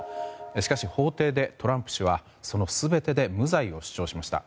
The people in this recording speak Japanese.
しかし、法廷でトランプ氏はその全てで無罪を主張しました。